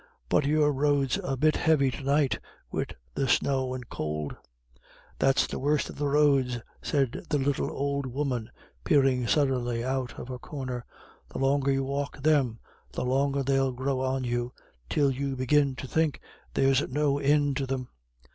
But your road's a bit heavy to night, wid the snow and could." "That's the worst of the roads," said the little old woman, peering suddenly out of her corner; "the longer you walk them, the longer they'll grow on you, till you begin to think there's no ind to them.